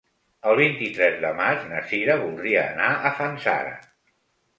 El vint-i-tres de maig na Sira voldria anar a Fanzara.